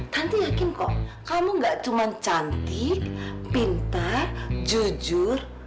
tante yakin kok kamu gak cuma cantik pintar jujur